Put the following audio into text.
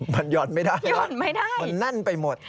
มันหย่อนไม่ได้มันนั่นไปหมด